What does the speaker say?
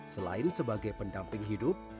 selain sebagai pendamping hidup